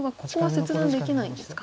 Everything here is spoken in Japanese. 切断できないんですか。